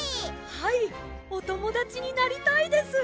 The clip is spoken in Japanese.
はいおともだちになりたいです。